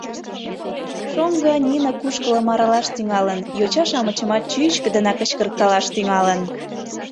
Шоҥго нине кушкылым аралаш тӱҥалын, йоча-шамычымат чӱчкыдынак кычкыркалаш тӱҥалын: